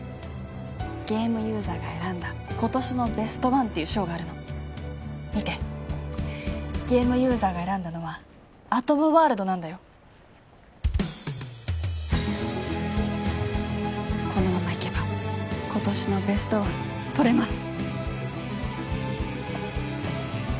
ゲームユーザーが選んだ今年のベストワンっていう賞があるの見てゲームユーザーが選んだのはアトムワールドなんだよこのままいけば今年のベストワンとれます